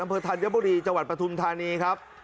อำเภอธัญบุรีจังหวัดปฐุมธานีครับ